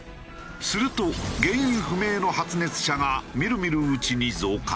すると原因不明の発熱者がみるみるうちに増加。